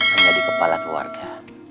menjadi kepala keluarga